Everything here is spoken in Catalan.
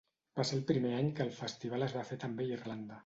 Va ser el primer any que el festival es va fer també a Irlanda.